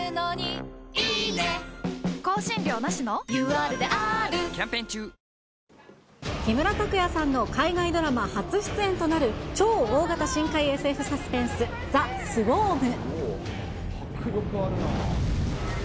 ヨーロッパ制作で、木村拓哉さんの海外ドラマ初出演となる超大型深海ＳＦサスペンス、ザ・スウォーム。